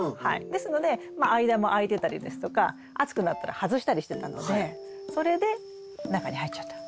ですので間も空いてたりですとか暑くなったら外したりしてたのでそれで中に入っちゃった。